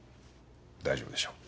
大丈夫でしょう。